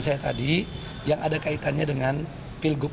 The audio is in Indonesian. saya tadi yang ada kaitannya dengan pilgub